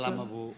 sudah lama bu